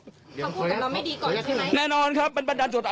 คำพูดของเราไม่ดีก่อนเลยใช่ไหมแน่นอนครับเป็นบันดาลจุด